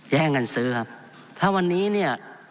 แย่งกันซื้อครับถ้าวันนี้เนี่ย